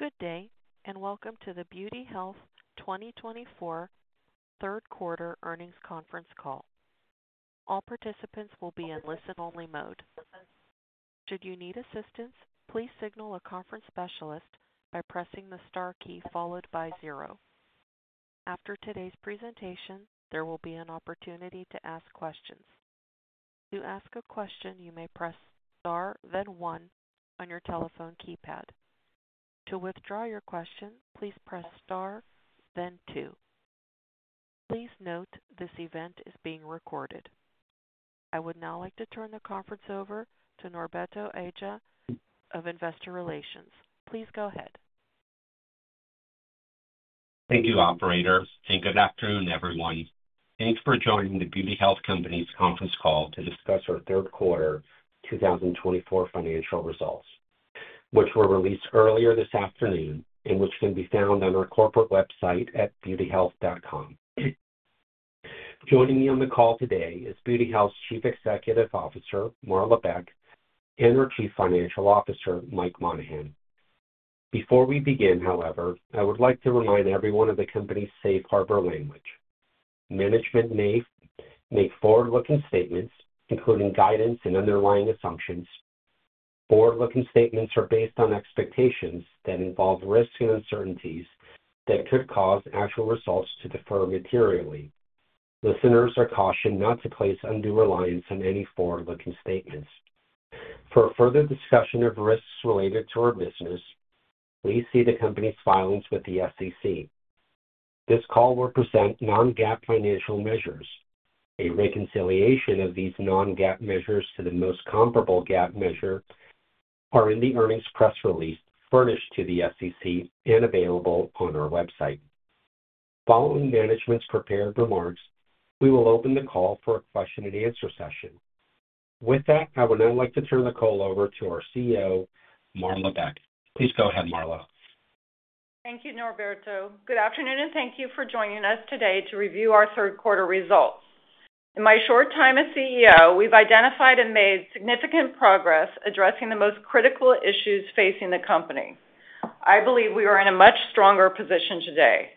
Good day, and welcome to the Beauty Health 2024 Third Quarter Earnings Conference Call. All participants will be in listen-only mode. Should you need assistance, please signal a conference specialist by pressing the star key followed by zero. After today's presentation, there will be an opportunity to ask questions. To ask a question, you may press star, then one, on your telephone keypad. To withdraw your question, please press star, then two. Please note this event is being recorded. I would now like to turn the conference over to Norberto Aja of Investor Relations. Please go ahead. Thank you, operators. Good afternoon, everyone. Thanks for joining The Beauty Health Company's conference call to discuss our third quarter 2024 financial results, which were released earlier this afternoon and which can be found on our corporate website at beautyhealth.com. Joining me on the call today is The Beauty Health's Chief Executive Officer, Marla Beck, and our Chief Financial Officer, Mike Monahan. Before we begin, however, I would like to remind everyone of the company's safe harbor language. Management may make forward-looking statements, including guidance and underlying assumptions. Forward-looking statements are based on expectations that involve risks and uncertainties that could cause actual results to differ materially. Listeners are cautioned not to place undue reliance on any forward-looking statements. For further discussion of risks related to our business, please see the company's filings with the SEC. This call will present non-GAAP financial measures. A reconciliation of these non-GAAP measures to the most comparable GAAP measure is in the earnings press release furnished to the SEC and available on our website. Following management's prepared remarks, we will open the call for a question-and-answer session. With that, I would now like to turn the call over to our CEO, Marla Beck. Please go ahead, Marla. Thank you, Norberto. Good afternoon, and thank you for joining us today to review our third-quarter results. In my short time as CEO, we've identified and made significant progress addressing the most critical issues facing the company. I believe we are in a much stronger position today.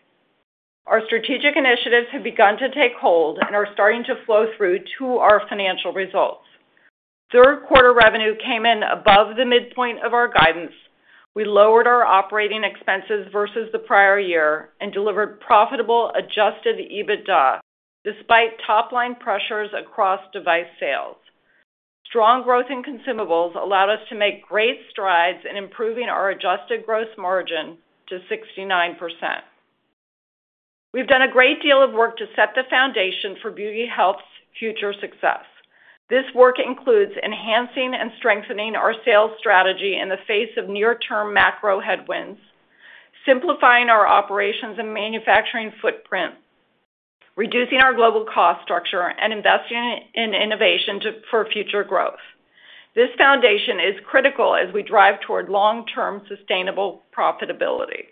Our strategic initiatives have begun to take hold and are starting to flow through to our financial results. Third-quarter revenue came in above the midpoint of our guidance. We lowered our operating expenses versus the prior year and delivered profitable Adjusted EBITDA despite top-line pressures across device sales. Strong growth in consumables allowed us to make great strides in improving our adjusted gross margin to 69%. We've done a great deal of work to set the foundation for Beauty Health's future success. This work includes enhancing and strengthening our sales strategy in the face of near-term macro headwinds, simplifying our operations and manufacturing footprint, reducing our global cost structure, and investing in innovation for future growth. This foundation is critical as we drive toward long-term sustainable profitability.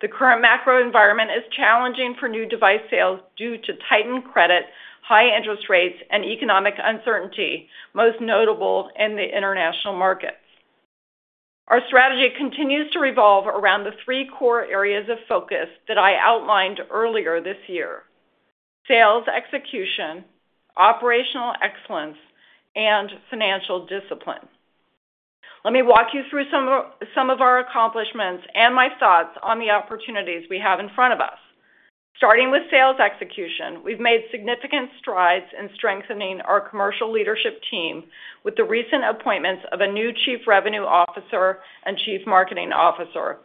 The current macro environment is challenging for new device sales due to tightened credit, high interest rates, and economic uncertainty, most notable in the international markets. Our strategy continues to revolve around the three core areas of focus that I outlined earlier this year: sales execution, operational excellence, and financial discipline. Let me walk you through some of our accomplishments and my thoughts on the opportunities we have in front of us. Starting with sales execution, we've made significant strides in strengthening our commercial leadership team with the recent appointments of a new Chief Revenue Officer and Chief Marketing Officer,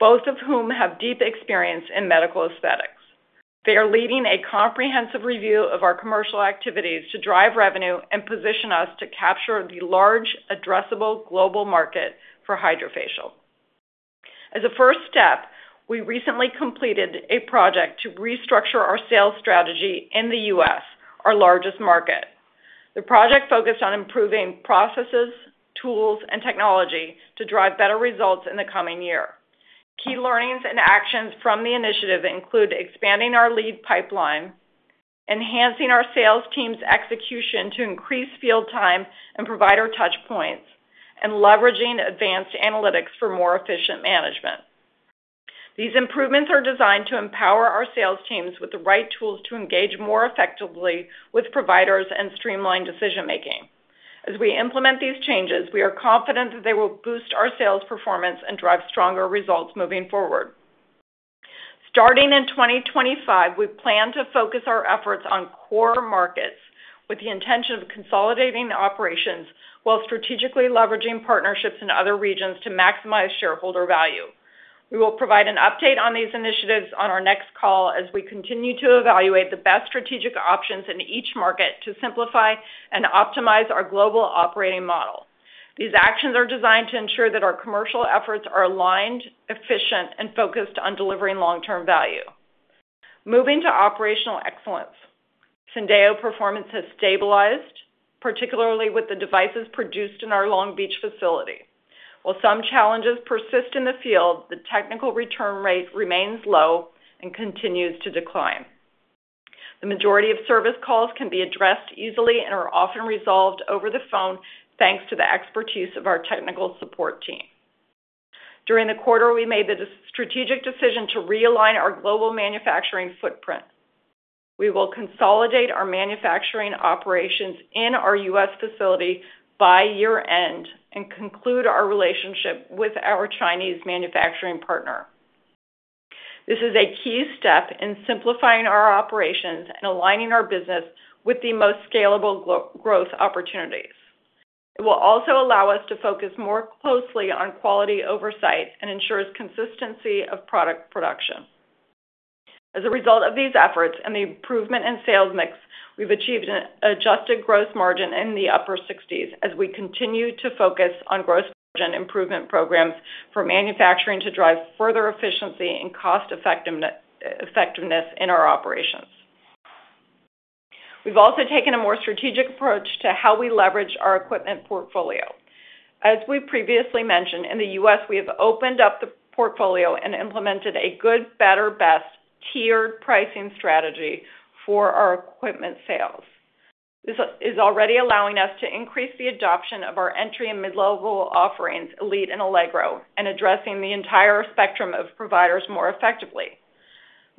both of whom have deep experience in medical aesthetics. They are leading a comprehensive review of our commercial activities to drive revenue and position us to capture the large, addressable global market for HydraFacial. As a first step, we recently completed a project to restructure our sales strategy in the US, our largest market. The project focused on improving processes, tools, and technology to drive better results in the coming year. Key learnings and actions from the initiative include expanding our lead pipeline, enhancing our sales team's execution to increase field time and provider touchpoints, and leveraging advanced analytics for more efficient management. These improvements are designed to empower our sales teams with the right tools to engage more effectively with providers and streamline decision-making. As we implement these changes, we are confident that they will boost our sales performance and drive stronger results moving forward. Starting in 2025, we plan to focus our efforts on core markets with the intention of consolidating operations while strategically leveraging partnerships in other regions to maximize shareholder value. We will provide an update on these initiatives on our next call as we continue to evaluate the best strategic options in each market to simplify and optimize our global operating model. These actions are designed to ensure that our commercial efforts are aligned, efficient, and focused on delivering long-term value. Moving to operational excellence, Syndeo performance has stabilized, particularly with the devices produced in our Long Beach facility. While some challenges persist in the field, the technical return rate remains low and continues to decline. The majority of service calls can be addressed easily and are often resolved over the phone, thanks to the expertise of our technical support team. During the quarter, we made the strategic decision to realign our global manufacturing footprint. We will consolidate our manufacturing operations in our U.S. facility by year-end and conclude our relationship with our Chinese manufacturing partner. This is a key step in simplifying our operations and aligning our business with the most scalable growth opportunities. It will also allow us to focus more closely on quality oversight and ensures consistency of product production. As a result of these efforts and the improvement in sales mix, we've achieved an adjusted gross margin in the upper 60s as we continue to focus on gross margin improvement programs for manufacturing to drive further efficiency and cost-effectiveness in our operations. We've also taken a more strategic approach to how we leverage our equipment portfolio. As we've previously mentioned, in the U.S., we have opened up the portfolio and implemented a good, better, best tiered pricing strategy for our equipment sales. This is already allowing us to increase the adoption of our entry and mid-level offerings, Elite and Allegro, and addressing the entire spectrum of providers more effectively.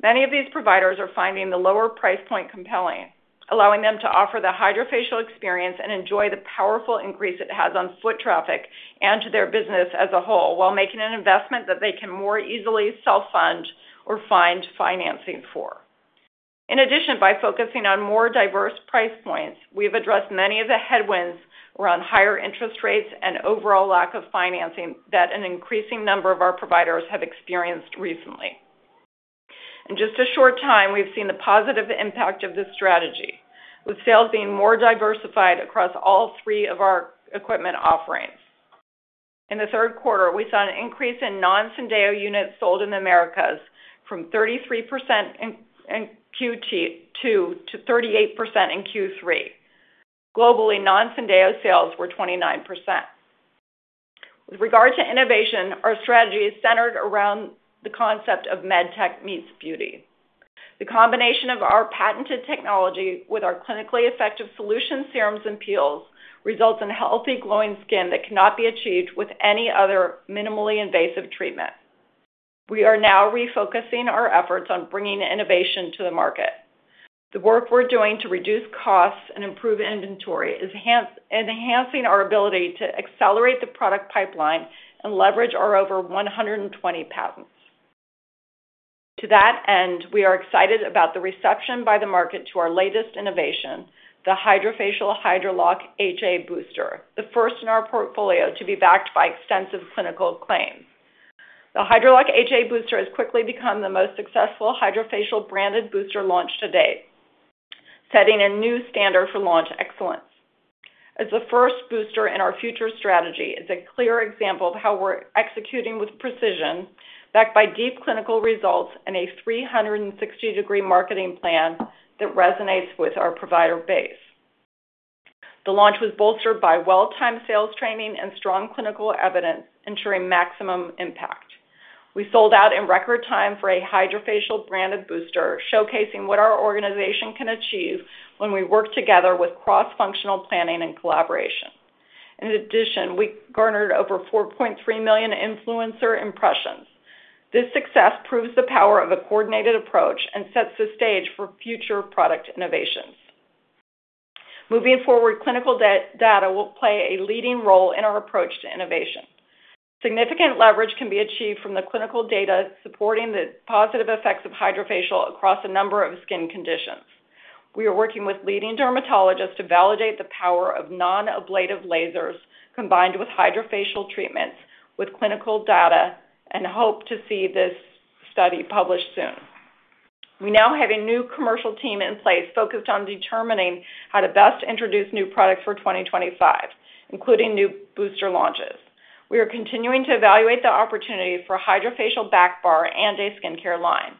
Many of these providers are finding the lower price point compelling, allowing them to offer the HydraFacial experience and enjoy the powerful increase it has on foot traffic and to their business as a whole while making an investment that they can more easily self-fund or find financing for. In addition, by focusing on more diverse price points, we've addressed many of the headwinds around higher interest rates and overall lack of financing that an increasing number of our providers have experienced recently. In just a short time, we've seen the positive impact of this strategy, with sales being more diversified across all three of our equipment offerings. In the third quarter, we saw an increase in non-Syndeo units sold in the Americas from 33% in Q2 to 38% in Q3. Globally, non-Syndeo sales were 29%. With regard to innovation, our strategy is centered around the concept of med tech meets beauty. The combination of our patented technology with our clinically effective solution serums and peels results in healthy, glowing skin that cannot be achieved with any other minimally invasive treatment. We are now refocusing our efforts on bringing innovation to the market. The work we're doing to reduce costs and improve inventory is enhancing our ability to accelerate the product pipeline and leverage our over 120 patents. To that end, we are excited about the reception by the market to our latest innovation, the HydraFacial Hydralack HA Booster, the first in our portfolio to be backed by extensive clinical claims. The Hydralock HA Booster has quickly become the most successful HydraFacial branded booster launched to date, setting a new standard for launch excellence. As the first booster in our future strategy, it's a clear example of how we're executing with precision, backed by deep clinical results and a 360-degree marketing plan that resonates with our provider base. The launch was bolstered by well-timed sales training and strong clinical evidence, ensuring maximum impact. We sold out in record time for a HydraFacial branded booster, showcasing what our organization can achieve when we work together with cross-functional planning and collaboration. In addition, we garnered over 4.3 million influencer impressions. This success proves the power of a coordinated approach and sets the stage for future product innovations. Moving forward, clinical data will play a leading role in our approach to innovation. Significant leverage can be achieved from the clinical data supporting the positive effects of HydraFacial across a number of skin conditions. We are working with leading dermatologists to validate the power of non-ablative lasers combined with HydraFacial treatments with clinical data, and hope to see this study published soon. We now have a new commercial team in place focused on determining how to best introduce new products for 2025, including new booster launches. We are continuing to evaluate the opportunity for a HydraFacial back bar and a skincare line.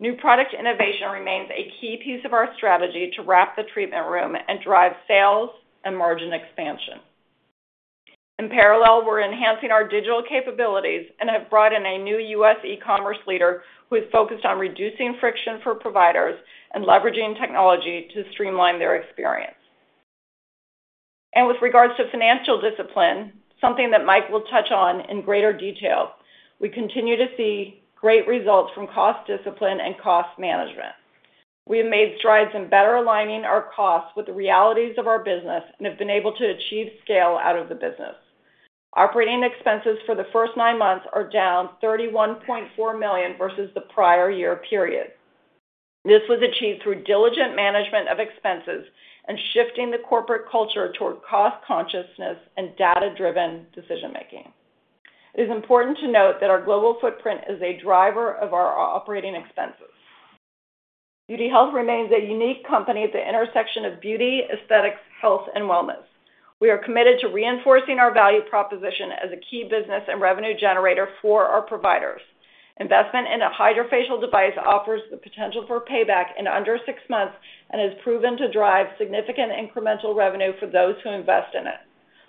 New product innovation remains a key piece of our strategy to wrap the treatment room and drive sales and margin expansion. In parallel, we're enhancing our digital capabilities and have brought in a new US e-commerce leader who is focused on reducing friction for providers and leveraging technology to streamline their experience. And with regards to financial discipline, something that Mike will touch on in greater detail, we continue to see great results from cost discipline and cost management. We have made strides in better aligning our costs with the realities of our business and have been able to achieve scale out of the business. Operating expenses for the first nine months are down $31.4 million versus the prior year period. This was achieved through diligent management of expenses and shifting the corporate culture toward cost consciousness and data-driven decision-making. It is important to note that our global footprint is a driver of our operating expenses. Beauty Health remains a unique company at the intersection of beauty, aesthetics, health, and wellness. We are committed to reinforcing our value proposition as a key business and revenue generator for our providers. Investment in a HydraFacial device offers the potential for payback in under six months and has proven to drive significant incremental revenue for those who invest in it.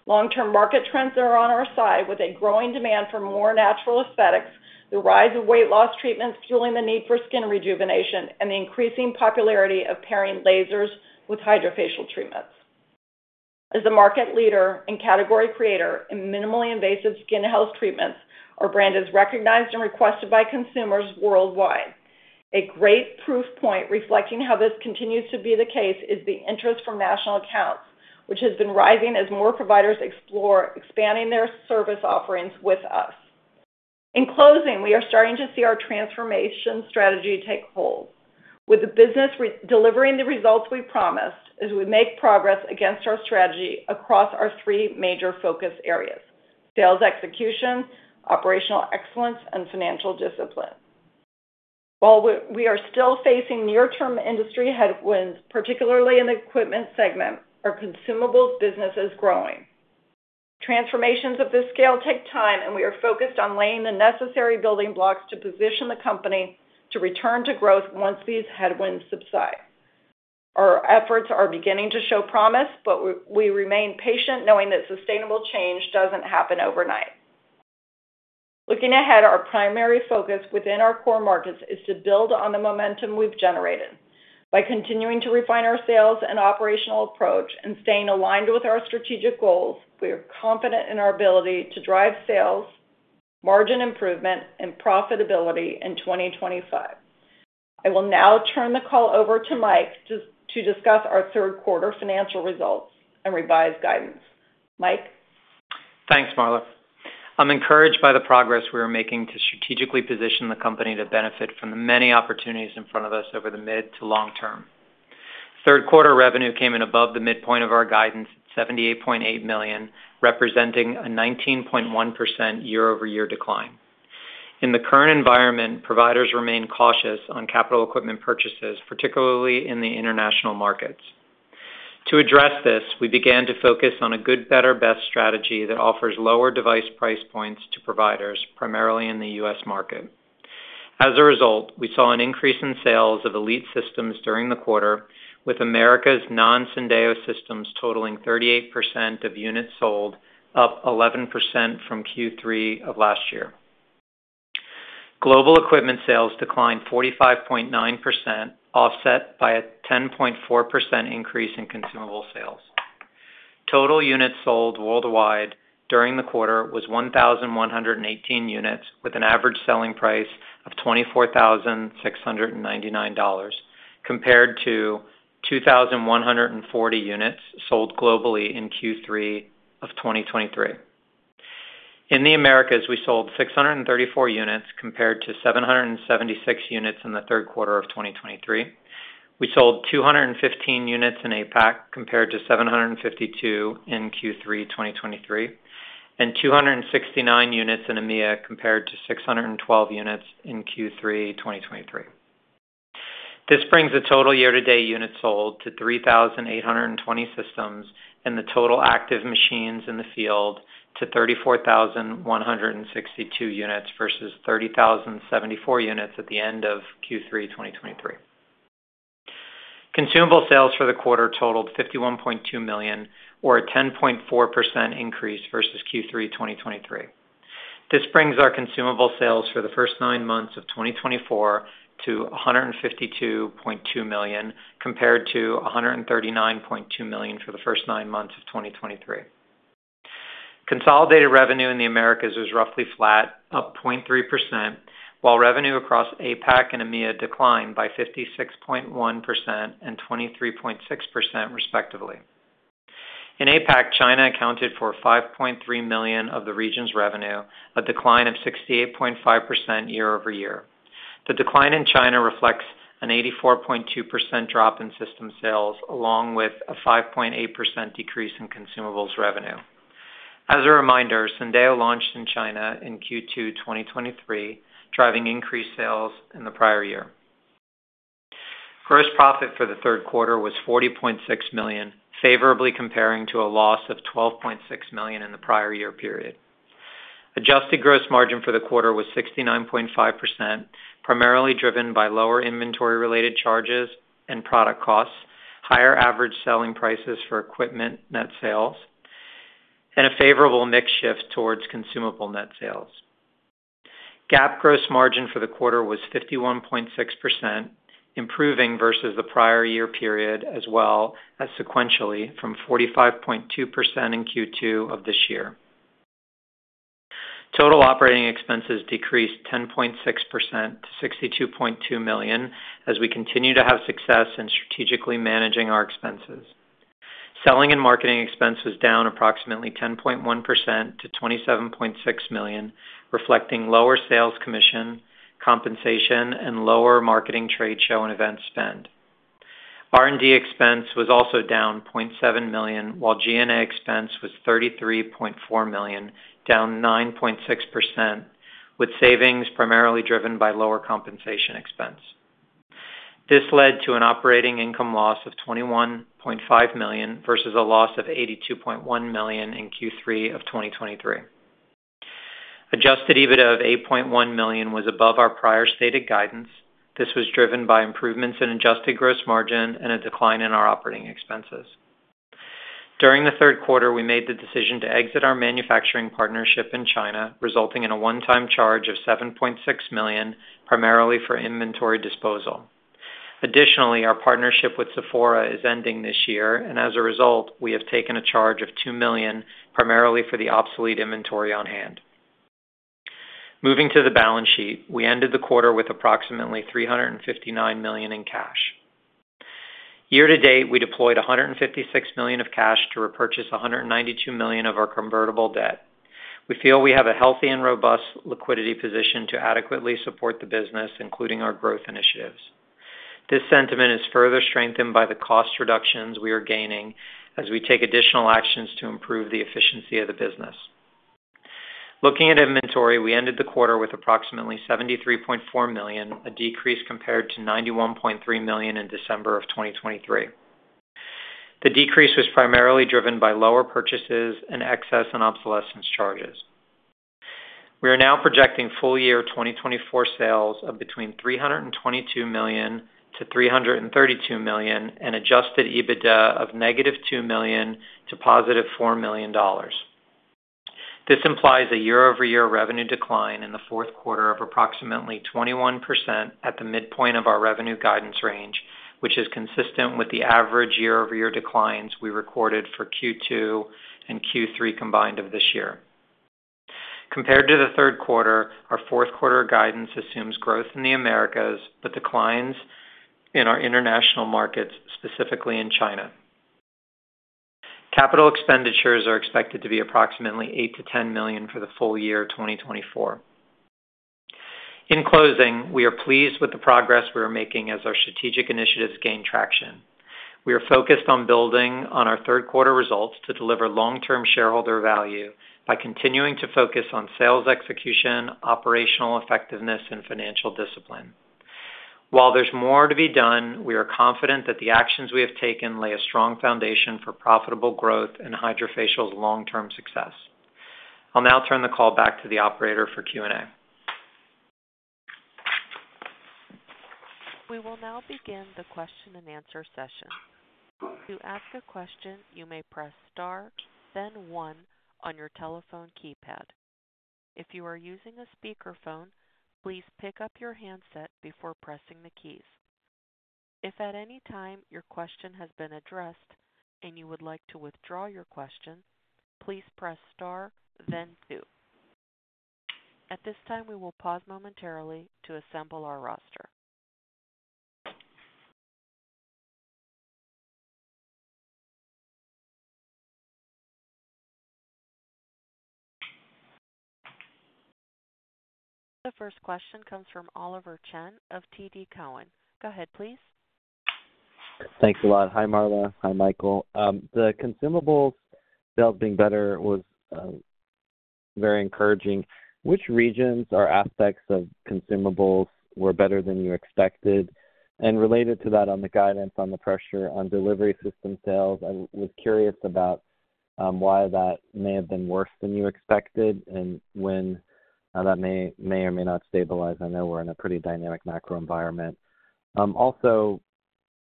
Long-term market trends are on our side with a growing demand for more natural aesthetics, the rise of weight loss treatments fueling the need for skin rejuvenation, and the increasing popularity of pairing lasers with HydraFacial treatments. As the market leader and category creator in minimally invasive skin health treatments, our brand is recognized and requested by consumers worldwide. A great proof point reflecting how this continues to be the case is the interest from national accounts, which has been rising as more providers explore expanding their service offerings with us. In closing, we are starting to see our transformation strategy take hold, with the business delivering the results we promised as we make progress against our strategy across our three major focus areas: sales execution, operational excellence, and financial discipline. While we are still facing near-term industry headwinds, particularly in the equipment segment, our consumables business is growing. Transformations of this scale take time, and we are focused on laying the necessary building blocks to position the company to return to growth once these headwinds subside. Our efforts are beginning to show promise, but we remain patient knowing that sustainable change doesn't happen overnight. Looking ahead, our primary focus within our core markets is to build on the momentum we've generated. By continuing to refine our sales and operational approach and staying aligned with our strategic goals, we are confident in our ability to drive sales, margin improvement, and profitability in 2025. I will now turn the call over to Mike to discuss our third quarter financial results and revised guidance. Mike. Thanks, Marla. I'm encouraged by the progress we are making to strategically position the company to benefit from the many opportunities in front of us over the mid to long term. Third quarter revenue came in above the midpoint of our guidance at $78.8 million, representing a 19.1% year-over-year decline. In the current environment, providers remain cautious on capital equipment purchases, particularly in the international markets. To address this, we began to focus on a good, better, best strategy that offers lower device price points to providers, primarily in the U.S. market. As a result, we saw an increase in sales of Elite systems during the quarter, with Americas non-Syndeo systems totaling 38% of units sold, up 11% from Q3 of last year. Global equipment sales declined 45.9%, offset by a 10.4% increase in consumable sales. Total units sold worldwide during the quarter was 1,118 units, with an average selling price of $24,699, compared to 2,140 units sold globally in Q3 of 2023. In the Americas, we sold 634 units, compared to 776 units in the third quarter of 2023. We sold 215 units in APAC, compared to 752 in Q3 2023, and 269 units in EMEA, compared to 612 units in Q3 2023. This brings the total year-to-date units sold to 3,820 systems and the total active machines in the field to 34,162 units versus 30,074 units at the end of Q3 2023. Consumable sales for the quarter totaled $51.2 million, or a 10.4% increase versus Q3 2023. This brings our consumable sales for the first nine months of 2024 to $152.2 million, compared to $139.2 million for the first nine months of 2023. Consolidated revenue in the Americas was roughly flat, up 0.3%, while revenue across APAC and EMEA declined by 56.1% and 23.6%, respectively. In APAC, China accounted for $5.3 million of the region's revenue, a decline of 68.5% year-over-year. The decline in China reflects an 84.2% drop in system sales, along with a 5.8% decrease in consumables revenue. As a reminder, Syndeo launched in China in Q2 2023, driving increased sales in the prior year. Gross profit for the third quarter was $40.6 million, favorably comparing to a loss of $12.6 million in the prior year period. Adjusted gross margin for the quarter was 69.5%, primarily driven by lower inventory-related charges and product costs, higher average selling prices for equipment net sales, and a favorable mix shift towards consumable net sales. GAAP gross margin for the quarter was 51.6%, improving versus the prior year period, as well as sequentially from 45.2% in Q2 of this year. Total operating expenses decreased 10.6% to $62.2 million as we continue to have success in strategically managing our expenses. Selling and marketing expense was down approximately 10.1% to $27.6 million, reflecting lower sales commission, compensation, and lower marketing trade show and event spend. R&D expense was also down $0.7 million, while G&A expense was $33.4 million, down 9.6%, with savings primarily driven by lower compensation expense. This led to an operating income loss of $21.5 million versus a loss of $82.1 million in Q3 of 2023. Adjusted EBITDA of $8.1 million was above our prior stated guidance. This was driven by improvements in adjusted gross margin and a decline in our operating expenses. During the third quarter, we made the decision to exit our manufacturing partnership in China, resulting in a one-time charge of $7.6 million, primarily for inventory disposal. Additionally, our partnership with Sephora is ending this year, and as a result, we have taken a charge of $2 million, primarily for the obsolete inventory on hand. Moving to the balance sheet, we ended the quarter with approximately $359 million in cash. Year-to-date, we deployed $156 million of cash to repurchase $192 million of our convertible debt. We feel we have a healthy and robust liquidity position to adequately support the business, including our growth initiatives. This sentiment is further strengthened by the cost reductions we are gaining as we take additional actions to improve the efficiency of the business. Looking at inventory, we ended the quarter with approximately $73.4 million, a decrease compared to $91.3 million in December of 2023. The decrease was primarily driven by lower purchases and excess and obsolescence charges. We are now projecting full-year 2024 sales of between $322 million-$332 million and Adjusted EBITDA of negative $2 million to positive $4 million dollars. This implies a year-over-year revenue decline in the fourth quarter of approximately 21% at the midpoint of our revenue guidance range, which is consistent with the average year-over-year declines we recorded for Q2 and Q3 combined of this year. Compared to the third quarter, our fourth quarter guidance assumes growth in the Americas but declines in our international markets, specifically in China. Capital expenditures are expected to be approximately $8 million-$10 million for the full year 2024. In closing, we are pleased with the progress we are making as our strategic initiatives gain traction. We are focused on building on our third quarter results to deliver long-term shareholder value by continuing to focus on sales execution, operational effectiveness, and financial discipline. While there's more to be done, we are confident that the actions we have taken lay a strong foundation for profitable growth and HydraFacial's long-term success. I'll now turn the call back to the operator for Q&A. We will now begin the question and answer session. To ask a question, you may press star, then one on your telephone keypad. If you are using a speakerphone, please pick up your handset before pressing the keys. If at any time your question has been addressed and you would like to withdraw your question, please press star, then two. At this time, we will pause momentarily to assemble our roster. The first question comes from Oliver Chen of TD Cowen. Go ahead, please. Thanks a lot. Hi, Marla. Hi, Michael. The consumables sales being better was very encouraging. Which regions or aspects of consumables were better than you expected? Related to that, on the guidance, on the pressure on delivery system sales, I was curious about why that may have been worse than you expected and when that may or may not stabilize. I know we're in a pretty dynamic macro environment. Also,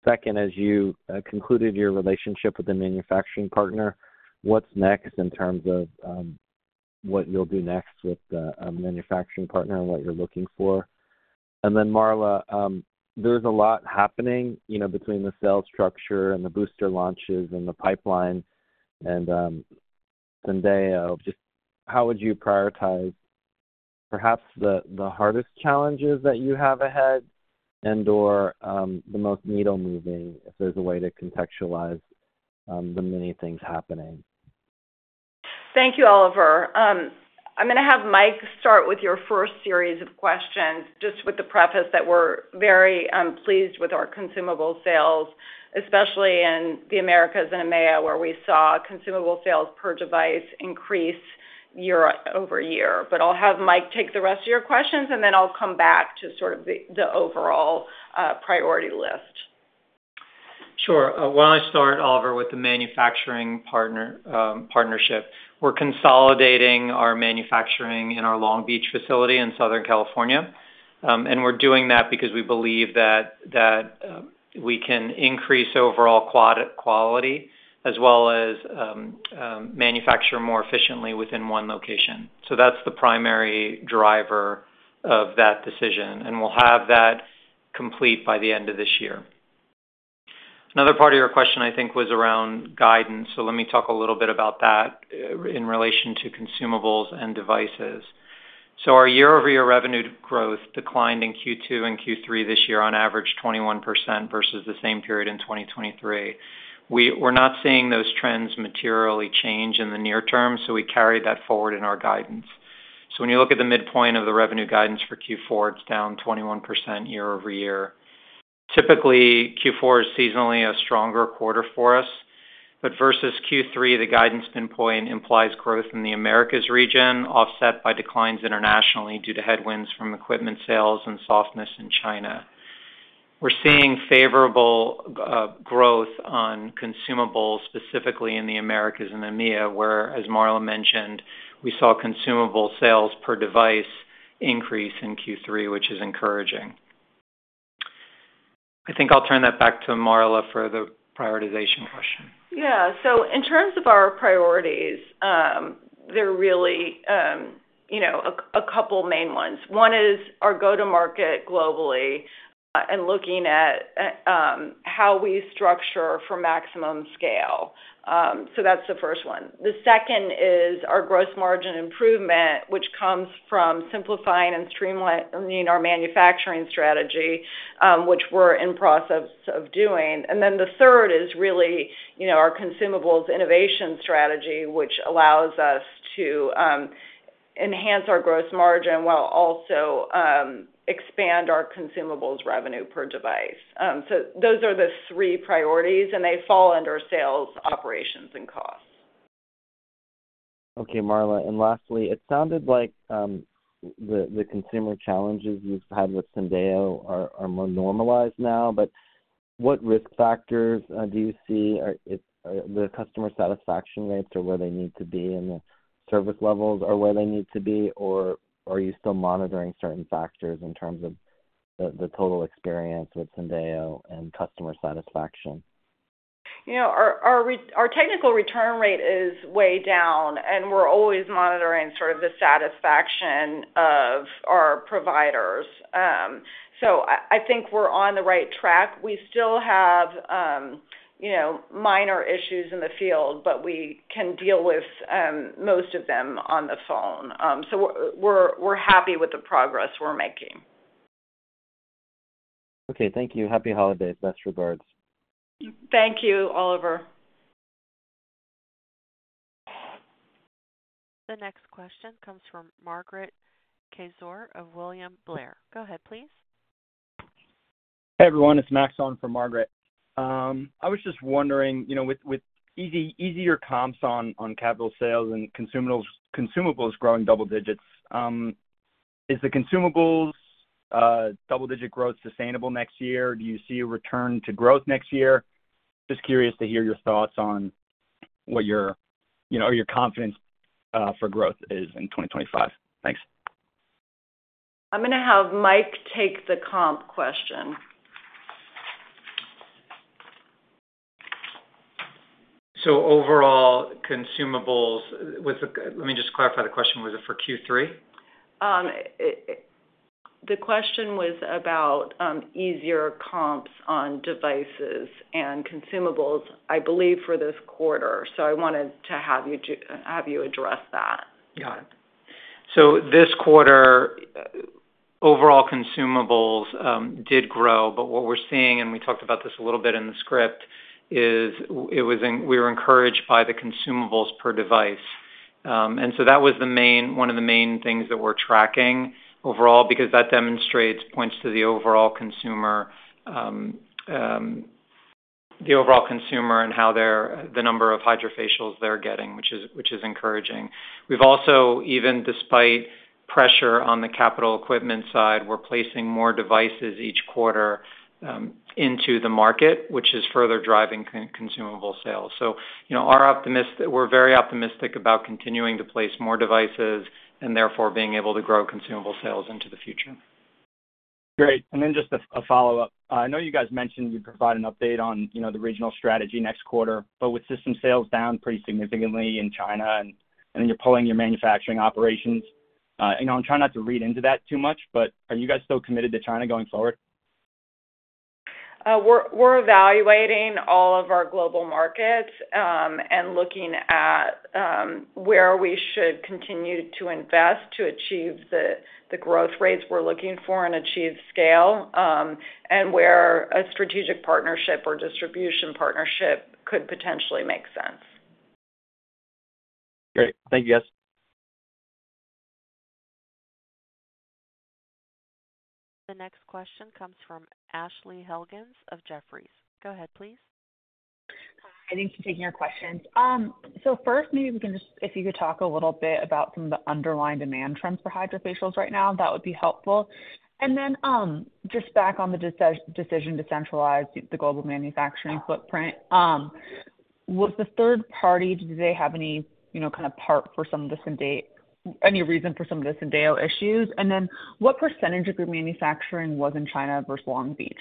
second, as you concluded your relationship with the manufacturing partner, what's next in terms of what you'll do next with the manufacturing partner and what you're looking for? And then, Marla, there's a lot happening between the sales structure and the booster launches and the pipeline and Syndeo. Just how would you prioritize perhaps the hardest challenges that you have ahead and/or the most needle-moving, if there's a way to contextualize the many things happening? Thank you, Oliver. I'm going to have Mike start with your first series of questions, just with the preface that we're very pleased with our consumable sales, especially in the Americas and EMEA, where we saw consumable sales per device increase year-over-year, but I'll have Mike take the rest of your questions, and then I'll come back to sort of the overall priority list. Sure. While I start, Oliver, with the manufacturing partnership, we're consolidating our manufacturing in our Long Beach facility in Southern California, and we're doing that because we believe that we can increase overall quality as well as manufacture more efficiently within one location, so that's the primary driver of that decision, and we'll have that complete by the end of this year. Another part of your question, I think, was around guidance, so let me talk a little bit about that in relation to consumables and devices. Our year-over-year revenue growth declined in Q2 and Q3 this year on average 21% versus the same period in 2023. We're not seeing those trends materially change in the near term, so we carry that forward in our guidance. When you look at the midpoint of the revenue guidance for Q4, it's down 21% year-over-year. Typically, Q4 is seasonally a stronger quarter for us, but versus Q3, the guidance midpoint implies growth in the Americas region, offset by declines internationally due to headwinds from equipment sales and softness in China. We're seeing favorable growth on consumables, specifically in the Americas and EMEA, where, as Marla mentioned, we saw consumable sales per device increase in Q3, which is encouraging. I think I'll turn that back to Marla for the prioritization question. Yeah. In terms of our priorities, there are really a couple main ones. One is our go-to-market globally and looking at how we structure for maximum scale. So that's the first one. The second is our gross margin improvement, which comes from simplifying and streamlining our manufacturing strategy, which we're in process of doing. And then the third is really our consumables innovation strategy, which allows us to enhance our gross margin while also expand our consumables revenue per device. So those are the three priorities, and they fall under sales, operations, and costs. Okay, Marla. And lastly, it sounded like the consumer challenges you've had with Syndeo are more normalized now, but what risk factors do you see? The customer satisfaction rates are where they need to be and the service levels are where they need to be, or are you still monitoring certain factors in terms of the total experience with Syndeo and customer satisfaction? Our technical return rate is way down, and we're always monitoring sort of the satisfaction of our providers. So I think we're on the right track. We still have minor issues in the field, but we can deal with most of them on the phone. So we're happy with the progress we're making. Okay. Thank you. Happy holidays. Best regards. Thank you, Oliver. The next question comes from Margaret Kaczor of William Blair. Go ahead, please. Hey, everyone. It's Maxon from Margaret. I was just wondering, with easier comps on capital sales and consumables growing double digits, is the consumables double-digit growth sustainable next year? Do you see a return to growth next year? Just curious to hear your thoughts on what your confidence for growth is in 2025. Thanks. I'm going to have Mike take the comp question. So overall, consumables with the, let me just clarify the question. Was it for Q3? The question was about easier comps on devices and consumables, I believe, for this quarter, so I wanted to have you address that. Got it. So this quarter, overall consumables did grow, but what we're seeing, and we talked about this a little bit in the script, is we were encouraged by the consumables per device. And so that was one of the main things that we're tracking overall because that points to the overall consumer and how the number of HydraFacials they're getting, which is encouraging. We've also, even despite pressure on the capital equipment side, we're placing more devices each quarter into the market, which is further driving consumable sales. So we're very optimistic about continuing to place more devices and therefore being able to grow consumable sales into the future. Great. And then just a follow-up. I know you guys mentioned you'd provide an update on the regional strategy next quarter, but with system sales down pretty significantly in China and you're pulling your manufacturing operations, I'm trying not to read into that too much, but are you guys still committed to China going forward? We're evaluating all of our global markets and looking at where we should continue to invest to achieve the growth rates we're looking for and achieve scale and where a strategic partnership or distribution partnership could potentially make sense. Great. Thank you, guys. The next question comes from Ashley Helgans of Jefferies. Go ahead, please. Hi. Thanks for taking our questions. So first, maybe we can just—if you could talk a little bit about some of the underlying demand trends for HydraFacials right now, that would be helpful. Then just back on the decision to centralize the global manufacturing footprint, was the third party, did they have any kind of part for some of the, any reason for some of the Syndeo issues? And then what percentage of your manufacturing was in China versus Long Beach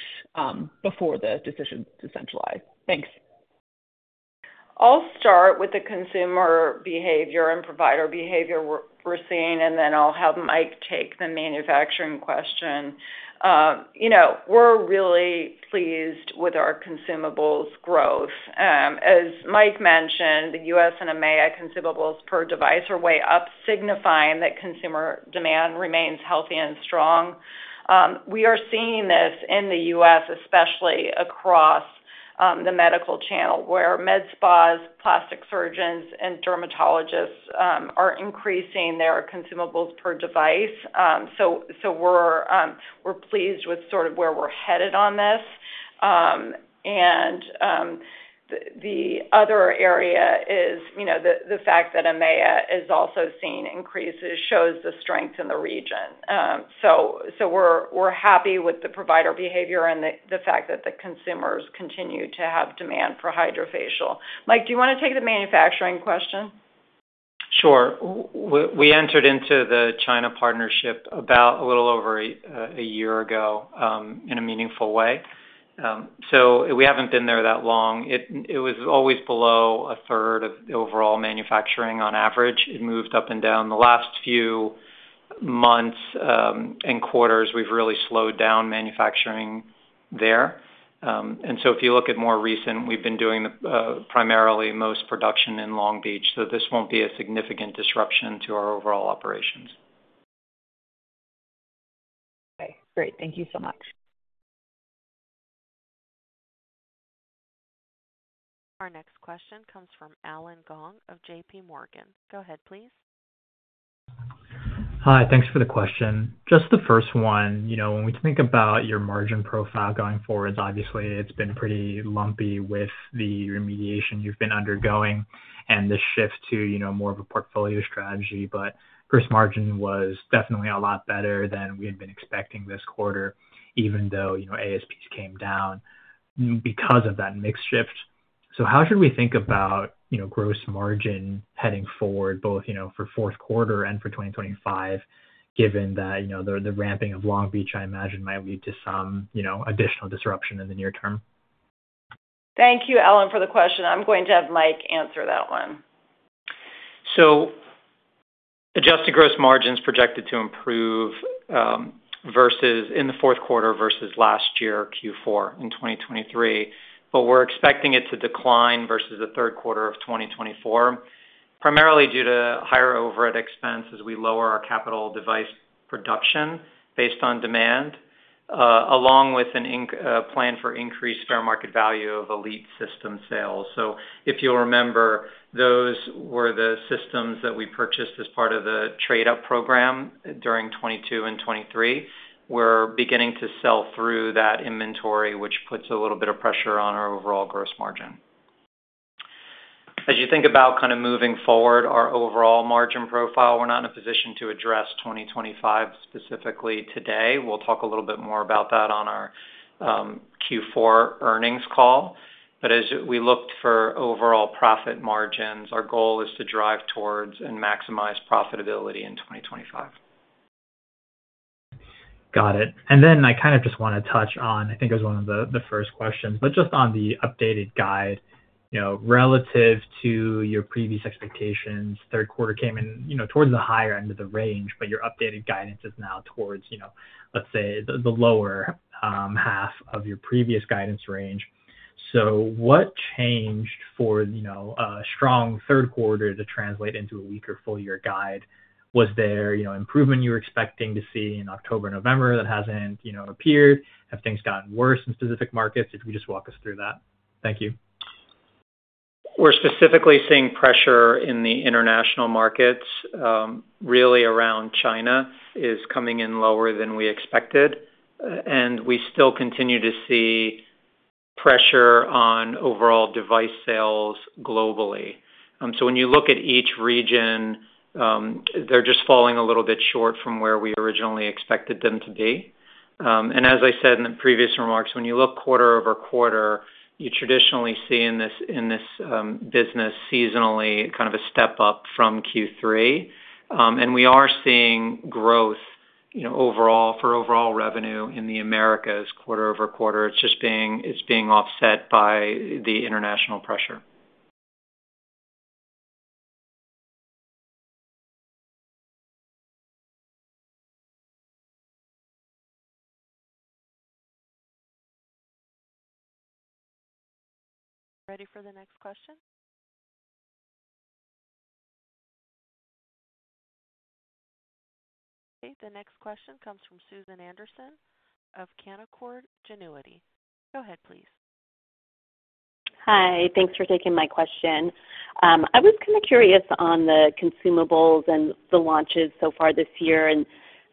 before the decision to centralize? Thanks. I'll start with the consumer behavior and provider behavior we're seeing, and then I'll have Mike take the manufacturing question. We're really pleased with our consumables growth. As Mike mentioned, the U.S. and EMEA consumables per device are way up, signifying that consumer demand remains healthy and strong. We are seeing this in the U.S., especially across the medical channel, where med spas, plastic surgeons, and dermatologists are increasing their consumables per device. So we're pleased with sort of where we're headed on this. And the other area is the fact that EMEA is also seeing increases, shows the strength in the region. So we're happy with the provider behavior and the fact that the consumers continue to have demand for HydraFacial. Mike, do you want to take the manufacturing question? Sure. We entered into the China partnership a little over a year ago in a meaningful way. So we haven't been there that long. It was always below a third of the overall manufacturing on average. It moved up and down. The last few months and quarters, we've really slowed down manufacturing there. And so if you look at more recent, we've been doing primarily most production in Long Beach, so this won't be a significant disruption to our overall operations. Okay. Great. Thank you so much. Our next question comes from Allen Gong of JPMorgan. Go ahead, please. Hi. Thanks for the question. Just the first one, when we think about your margin profile going forward, obviously, it's been pretty lumpy with the remediation you've been undergoing and the shift to more of a portfolio strategy. But gross margin was definitely a lot better than we had been expecting this quarter, even though ASPs came down because of that mix shift. So how should we think about gross margin heading forward, both for fourth quarter and for 2025, given that the ramping of Long Beach, I imagine, might lead to some additional disruption in the near term? Thank you, Allen, for the question. I'm going to have Mike answer that one. Adjusted gross margins projected to improve in the fourth quarter versus last year, Q4 in 2023, but we're expecting it to decline versus the third quarter of 2024, primarily due to higher overhead expense as we lower our capital device production based on demand, along with a plan for increased fair market value of Elite system sales. If you'll remember, those were the systems that we purchased as part of the trade-up program during 2022 and 2023. We're beginning to sell through that inventory, which puts a little bit of pressure on our overall gross margin. As you think about kind of moving forward, our overall margin profile, we're not in a position to address 2025 specifically today. We'll talk a little bit more about that on our Q4 earnings call. But as we look for overall profit margins, our goal is to drive towards and maximize profitability in 2025. Got it. And then I kind of just want to touch on, I think it was one of the first questions, but just on the updated guide, relative to your previous expectations, third quarter came in towards the higher end of the range, but your updated guidance is now towards, let's say, the lower half of your previous guidance range. So what changed for a strong third quarter to translate into a weaker full-year guide? Was there improvement you were expecting to see in October and November that hasn't appeared? Have things gotten worse in specific markets? If you could just walk us through that. Thank you. We're specifically seeing pressure in the international markets, really around China. Is coming in lower than we expected, and we still continue to see pressure on overall device sales globally. So when you look at each region, they're just falling a little bit short from where we originally expected them to be. And as I said in the previous remarks, when you look quarter over quarter, you traditionally see in this business seasonally kind of a step up from Q3. And we are seeing growth overall for overall revenue in the Americas quarter over quarter. It's just being offset by the international pressure. Ready for the next question? Okay. The next question comes from Susan Anderson of Canaccord Genuity. Go ahead, please. Hi. Thanks for taking my question. I was kind of curious on the consumables and the launches so far this year and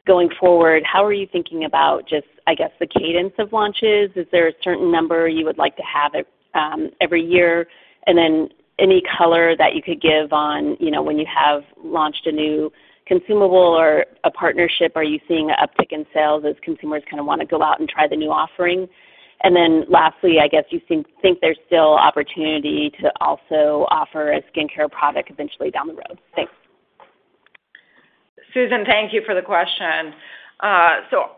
going forward. How are you thinking about just, I guess, the cadence of launches? Is there a certain number you would like to have every year? And then any color that you could give on when you have launched a new consumable or a partnership, are you seeing an uptick in sales as consumers kind of want to go out and try the new offering? And then lastly, I guess you think there's still opportunity to also offer a skincare product eventually down the road? Thanks. Susan, thank you for the question. So I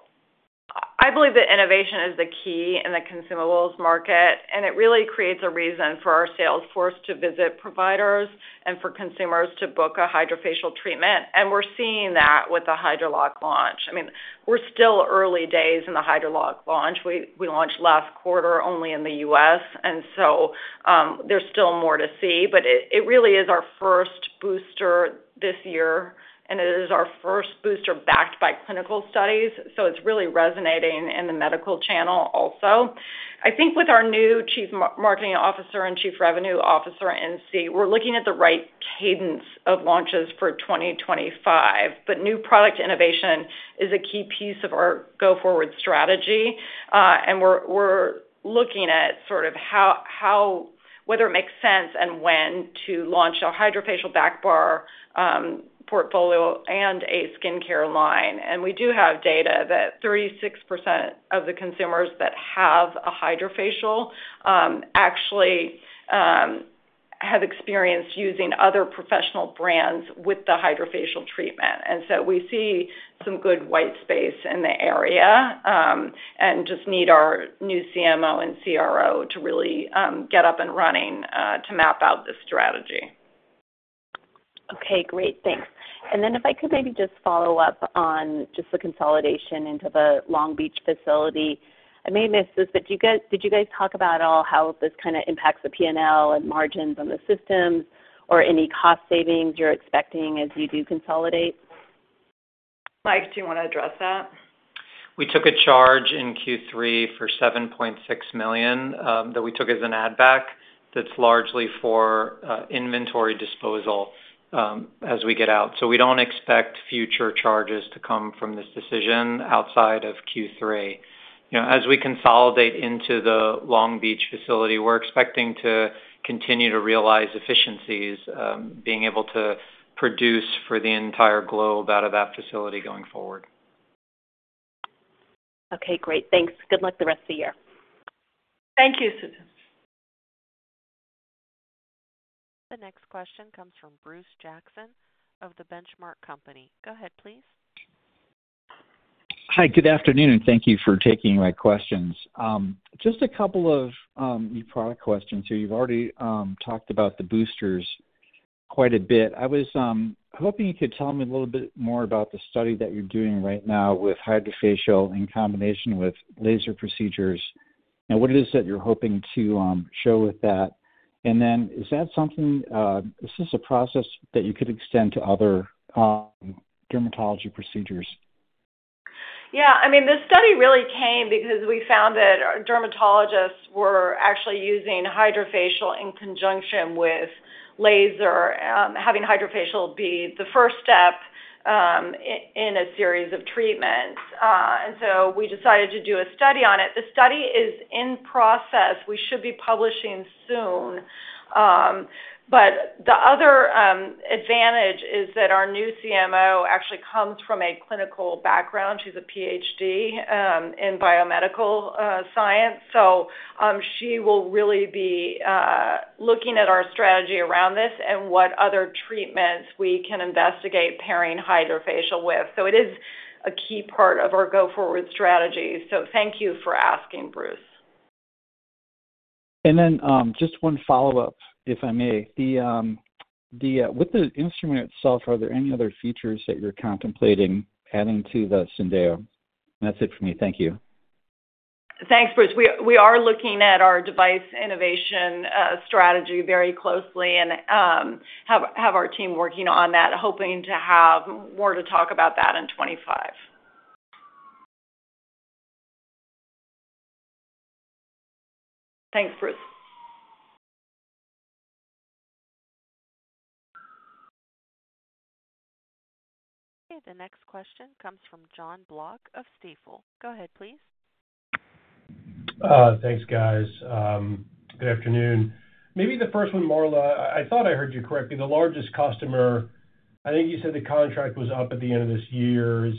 believe that innovation is the key in the consumables market, and it really creates a reason for our salesforce to visit providers and for consumers to book a HydraFacial treatment. And we're seeing that with the Hydralock launch. I mean, we're still early days in the Hydralock launch. We launched last quarter only in the U.S., and so there's still more to see. But it really is our first booster this year, and it is our first booster backed by clinical studies. So it's really resonating in the medical channel also. I think with our new Chief Marketing Officer and Chief Revenue Officer in place, we're looking at the right cadence of launches for 2025. But new product innovation is a key piece of our go-forward strategy, and we're looking at sort of whether it makes sense and when to launch a HydraFacial back bar portfolio and a skincare line. And we do have data that 36% of the consumers that have a HydraFacial actually have experienced using other professional brands with the HydraFacial treatment. And so we see some good white space in the area and just need our new CMO and CRO to really get up and running to map out this strategy. Okay. Great. Thanks. And then if I could maybe just follow up on just the consolidation into the Long Beach facility. I may miss this, but did you guys talk about at all how this kind of impacts the P&L and margins on the systems or any cost savings you're expecting as you do consolidate? Mike, do you want to address that? We took a charge in Q3 for $7.6 million that we took as an add-back. That's largely for inventory disposal as we get out. So we don't expect future charges to come from this decision outside of Q3. As we consolidate into the Long Beach facility, we're expecting to continue to realize efficiencies, being able to produce for the entire globe out of that facility going forward. Okay. Great. Thanks. Good luck the rest of the year. Thank you, Susan. The next question comes from Bruce Jackson of The Benchmark Company. Go ahead, please. Hi. Good afternoon, and thank you for taking my questions. Just a couple of new product questions here. You've already talked about the boosters quite a bit. I was hoping you could tell me a little bit more about the study that you're doing right now with HydraFacial in combination with laser procedures and what it is that you're hoping to show with that. And then, is that something? Is this a process that you could extend to other dermatology procedures? Yeah. I mean, this study really came because we found that dermatologists were actually using HydraFacial in conjunction with laser, having HydraFacial be the first step in a series of treatments. And so we decided to do a study on it. The study is in process. We should be publishing soon. But the other advantage is that our new CMO actually comes from a clinical background. She's a PhD in biomedical science. So she will really be looking at our strategy around this and what other treatments we can investigate pairing HydraFacial with. So it is a key part of our go-forward strategy. So thank you for asking, Bruce. And then just one follow-up, if I may. With the instrument itself, are there any other features that you're contemplating adding to the Syndeo? That's it for me. Thank you. Thanks, Bruce. We are looking at our device innovation strategy very closely and have our team working on that, hoping to have more to talk about that in 2025. Thanks, Bruce. Okay. The next question comes from Jon Block of Stifel. Go ahead, please. Thanks, guys. Good afternoon. Maybe the first one, Marla, I thought I heard you correctly. The largest customer, I think you said the contract was up at the end of this year. Is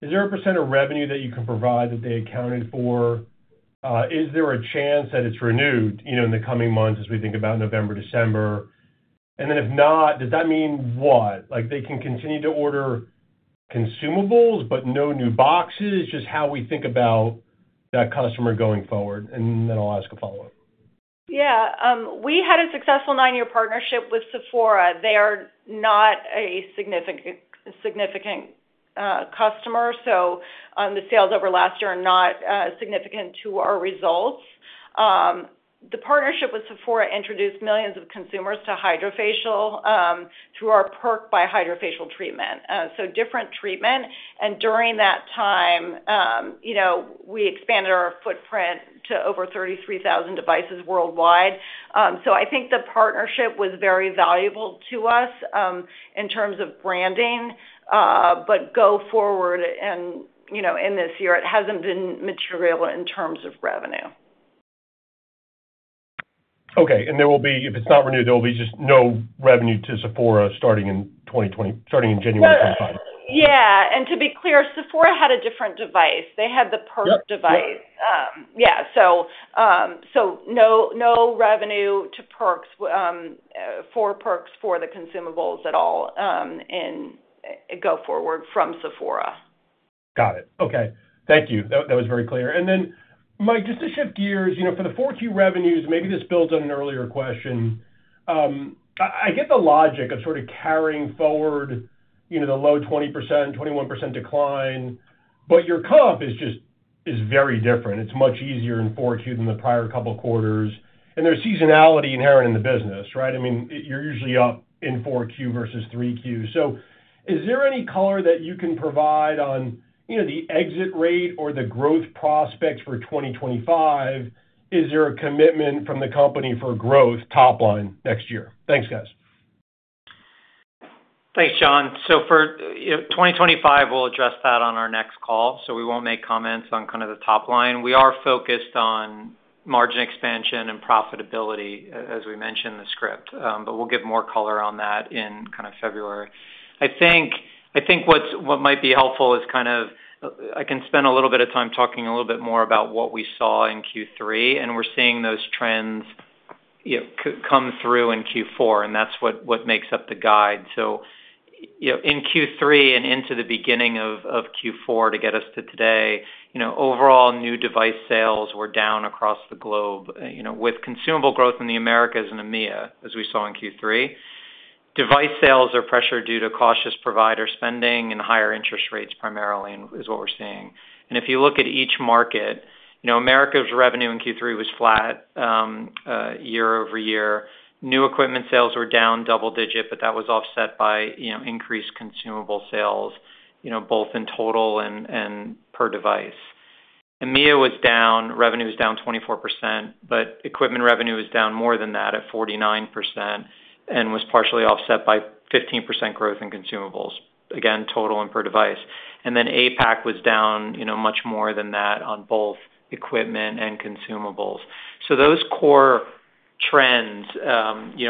there a percent of revenue that you can provide that they accounted for? Is there a chance that it's renewed in the coming months as we think about November, December? And then if not, does that mean what? They can continue to order consumables, but no new boxes, just how we think about that customer going forward? And then I'll ask a follow-up. Yeah. We had a successful nine-year partnership with Sephora. They are not a significant customer, so the sales over last year are not significant to our results. The partnership with Sephora introduced millions of consumers to HydraFacial through our Perk by HydraFacial treatment. So different treatment. And during that time, we expanded our footprint to over 33,000 devices worldwide. So I think the partnership was very valuable to us in terms of branding. But go-forward in this year, it hasn't been material in terms of revenue. Okay. And there will be, if it's not renewed, there will be just no revenue to Sephora starting in January 2025. Yeah. And to be clear, Sephora had a different device. They had the Perk device. Yeah. So no revenue for Perk for the consumables at all going forward from Sephora. Got it. Okay. Thank you. That was very clear. And then, Mike, just to shift gears, for the four Q revenues, maybe this builds on an earlier question. I get the logic of sort of carrying forward the low 20%, 21% decline, but your comp is very different. It's much easier in four Q than the prior couple of quarters. And there's seasonality inherent in the business, right? I mean, you're usually up in four Q versus three Q. So is there any color that you can provide on the exit rate or the growth prospects for 2025? Is there a commitment from the company for growth top line next year? Thanks, guys. Thanks, Jon. So for 2025, we'll address that on our next call, so we won't make comments on kind of the top line. We are focused on margin expansion and profitability, as we mentioned in the script, but we'll give more color on that in kind of February. I think what might be helpful is kind of I can spend a little bit of time talking a little bit more about what we saw in Q3, and we're seeing those trends come through in Q4, and that's what makes up the guide. So in Q3 and into the beginning of Q4 to get us to today, overall new device sales were down across the globe with consumable growth in the Americas and EMEA, as we saw in Q3. Device sales are pressured due to cautious provider spending and higher interest rates, primarily is what we're seeing. And if you look at each market, Americas revenue in Q3 was flat year over year. New equipment sales were down double-digit, but that was offset by increased consumable sales, both in total and per device. EMEA was down. Revenue was down 24%, but equipment revenue was down more than that at 49% and was partially offset by 15% growth in consumables, again, total and per device. And then APAC was down much more than that on both equipment and consumables. So those core trends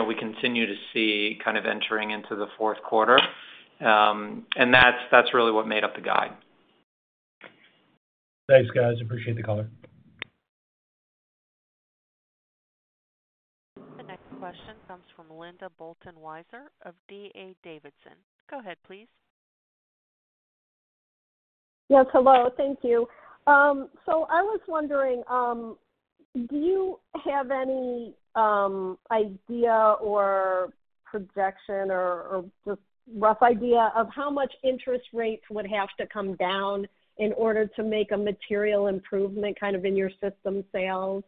we continue to see kind of entering into the fourth quarter. And that's really what made up the guide. Thanks, guys. Appreciate the color. The next question comes from Linda Bolton Weiser of DA Davidson. Go ahead, please. Yes. Hello. Thank you. So I was wondering, do you have any idea or projection or just rough idea of how much interest rates would have to come down in order to make a material improvement kind of in your system sales?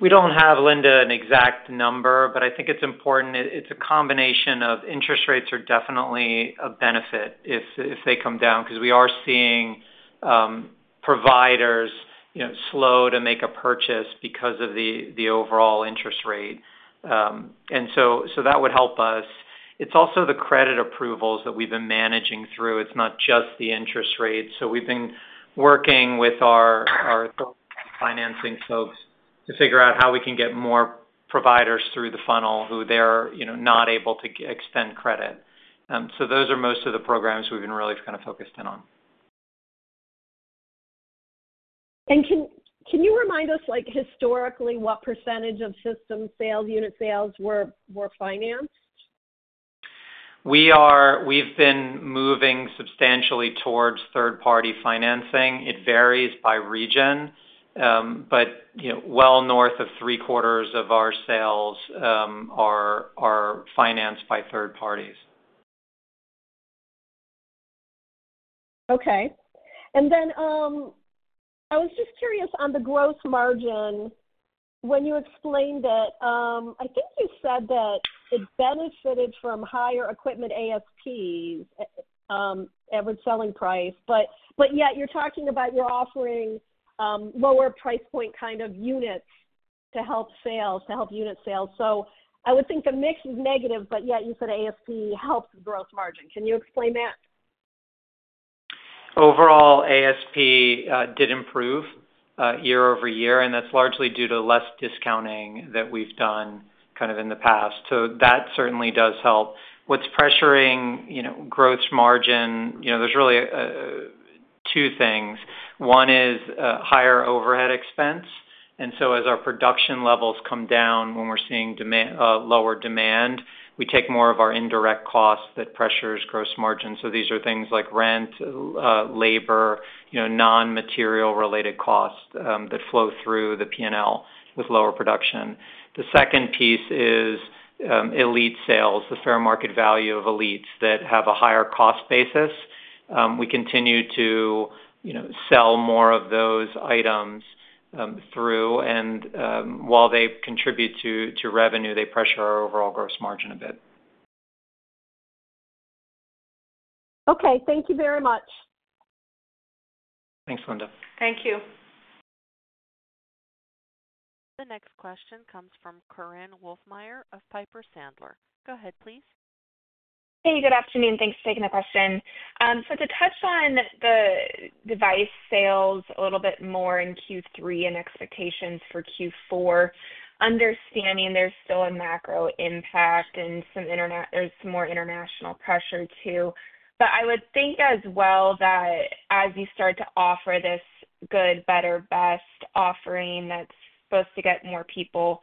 We don't have, Linda, an exact number, but I think it's important. It's a combination of interest rates are definitely a benefit if they come down because we are seeing providers slow to make a purchase because of the overall interest rate. And so that would help us. It's also the credit approvals that we've been managing through. It's not just the interest rates. So we've been working with our financing folks to figure out how we can get more providers through the funnel who they're not able to extend credit. So those are most of the programs we've been really kind of focused in on. And can you remind us historically what percentage of system sales, unit sales were financed? We've been moving substantially towards third-party financing. It varies by region, but well north of three-quarters of our sales are financed by third parties. Okay. And then I was just curious on the gross margin. When you explained it, I think you said that it benefited from higher equipment ASPs, average selling price, but yet you're talking about you're offering lower price point kind of units to help sales, to help unit sales. So I would think the mix is negative, but yet you said ASP helps the gross margin. Can you explain that? Overall, ASP did improve year over year, and that's largely due to less discounting that we've done kind of in the past. So that certainly does help. What's pressuring gross margin, there's really two things. One is higher overhead expense. And so as our production levels come down, when we're seeing lower demand, we take more of our indirect costs that pressures gross margin. So these are things like rent, labor, non-material related costs that flow through the P&L with lower production. The second piece is Elite sales, the fair market value of Elites that have a higher cost basis. We continue to sell more of those items through, and while they contribute to revenue, they pressure our overall gross margin a bit. Okay. Thank you very much. Thanks, Linda. Thank you. The next question comes from Korinne Wolfmeyer of Piper Sandler. Go ahead, please. Hey, good afternoon. Thanks for taking the question. So to touch on the device sales a little bit more in Q3 and expectations for Q4, understanding there's still a macro impact and there's more international pressure too. But I would think as well that as you start to offer this good, better, best offering that's supposed to get more people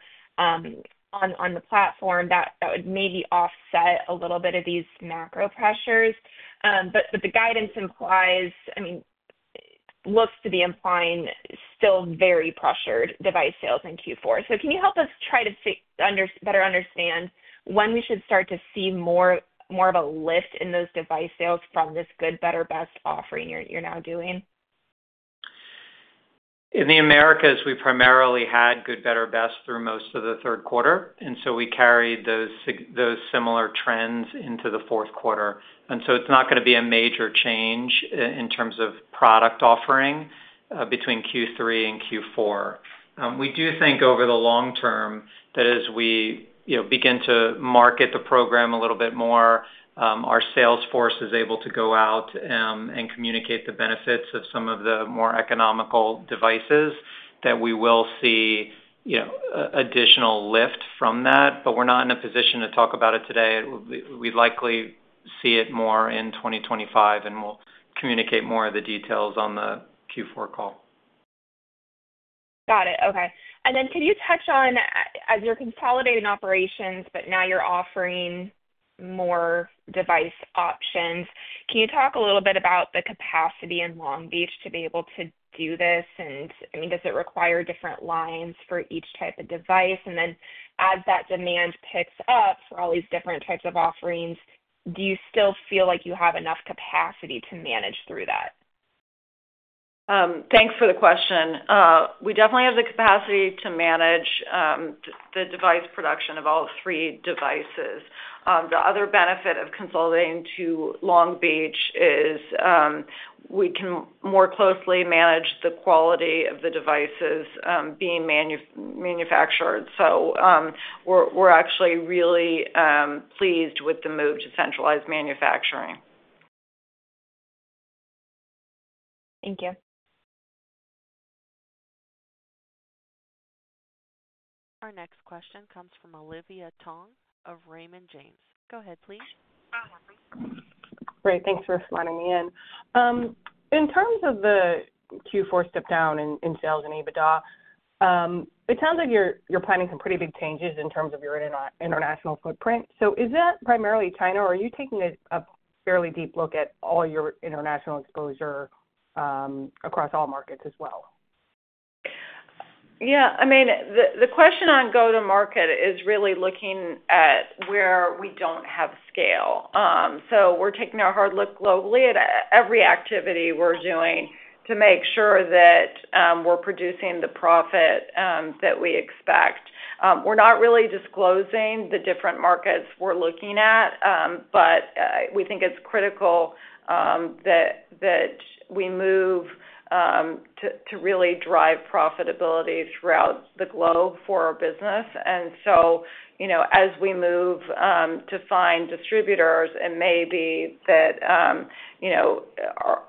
on the platform, that would maybe offset a little bit of these macro pressures. But the guidance implies, I mean, looks to be implying still very pressured device sales in Q4. So can you help us try to better understand when we should start to see more of a lift in those device sales from this good, better, best offering you're now doing? In the Americas, we primarily had good, better, best through most of the third quarter. And so we carried those similar trends into the fourth quarter. And so it's not going to be a major change in terms of product offering between Q3 and Q4. We do think over the long term that as we begin to market the program a little bit more, our sales force is able to go out and communicate the benefits of some of the more economical devices that we will see additional lift from that. But we're not in a position to talk about it today. We'd likely see it more in 2025, and we'll communicate more of the details on the Q4 call. Got it. Okay. And then can you touch on, as you're consolidating operations, but now you're offering more device options, can you talk a little bit about the capacity in Long Beach to be able to do this? And I mean, does it require different lines for each type of device? And then as that demand picks up for all these different types of offerings, do you still feel like you have enough capacity to manage through that? Thanks for the question. We definitely have the capacity to manage the device production of all three devices. The other benefit of consolidating to Long Beach is we can more closely manage the quality of the devices being manufactured. So we're actually really pleased with the move to centralized manufacturing. Thank you. Our next question comes from Olivia Tong of Raymond James. Go ahead, please. Great. Thanks for sliding me in. In terms of the Q4 step down in sales and EBITDA, it sounds like you're planning some pretty big changes in terms of your international footprint. So is that primarily China, or are you taking a fairly deep look at all your international exposure across all markets as well? Yeah. I mean, the question on go-to-market is really looking at where we don't have scale. So we're taking a hard look globally at every activity we're doing to make sure that we're producing the profit that we expect. We're not really disclosing the different markets we're looking at, but we think it's critical that we move to really drive profitability throughout the globe for our business. And so as we move to find distributors, it may be that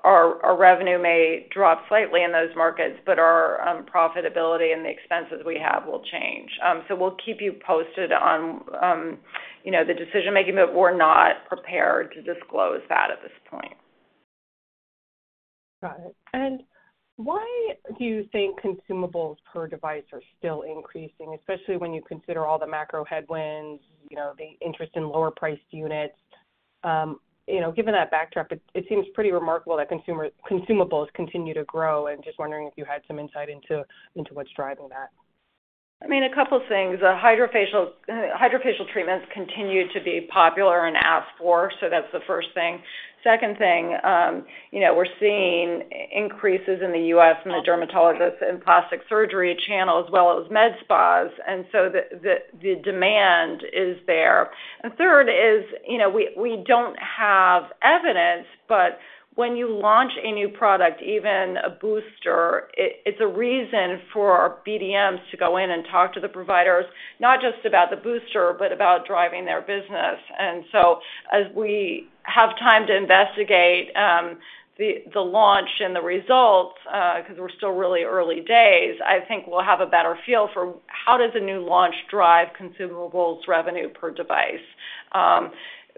our revenue may drop slightly in those markets, but our profitability and the expenses we have will change. So we'll keep you posted on the decision-making, but we're not prepared to disclose that at this point. Got it. And why do you think consumables per device are still increasing, especially when you consider all the macro headwinds, the interest in lower-priced units? Given that backdrop, it seems pretty remarkable that consumables continue to grow. And just wondering if you had some insight into what's driving that. I mean, a couple of things. HydraFacial treatments continue to be popular and asked for, so that's the first thing. Second thing, we're seeing increases in the U.S. and the dermatologists and plastic surgery channel as well as med spas. And so the demand is there. And third is we don't have evidence, but when you launch a new product, even a booster, it's a reason for BDMs to go in and talk to the providers, not just about the booster, but about driving their business. And so as we have time to investigate the launch and the results because we're still really early days, I think we'll have a better feel for how does a new launch drive consumables revenue per device?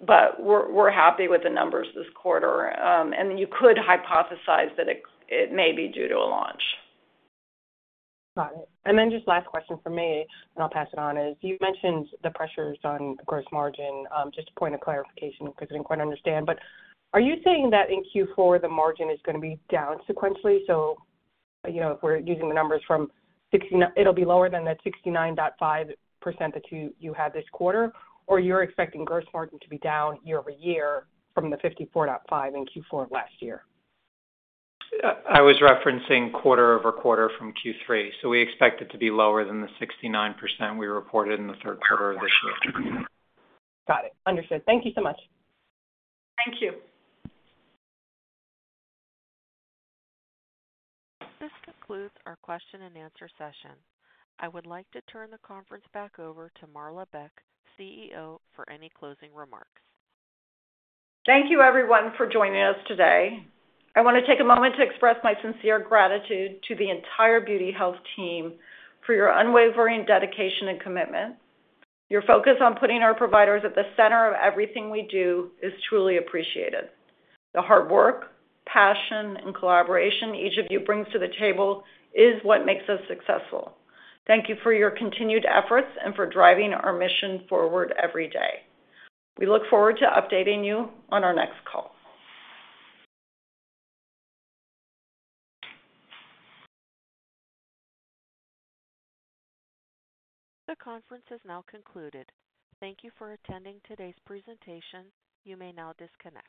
But we're happy with the numbers this quarter, and you could hypothesize that it may be due to a launch. Got it. And then just last question for me, and I'll pass it on, is you mentioned the pressures on gross margin. Just a point of clarification because I didn't quite understand. But are you saying that in Q4 the margin is going to be down sequentially? So if we're using the numbers from it'll be lower than that 69.5% that you had this quarter, or you're expecting gross margin to be down year over year from the 54.5% in Q4 last year? I was referencing quarter over quarter from Q3. So we expect it to be lower than the 69% we reported in the third quarter of this year. Got it. Understood. Thank you so much. Thank you. This concludes our question-and-answer session. I would like to turn the conference back over to Marla Beck, CEO, for any closing remarks. Thank you, everyone, for joining us today. I want to take a moment to express my sincere gratitude to the entire Beauty Health team for your unwavering dedication and commitment. Your focus on putting our providers at the center of everything we do is truly appreciated. The hard work, passion, and collaboration each of you brings to the table is what makes us successful. Thank you for your continued efforts and for driving our mission forward every day. We look forward to updating you on our next call. The conference has now concluded. Thank you for attending today's presentation. You may now disconnect.